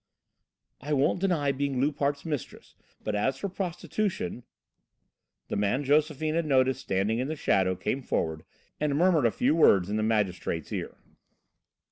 "I won't deny being Loupart's mistress, but as for prostitution " The man Josephine had noticed standing in the shadow came forward and murmured a few words in the magistrate's ear.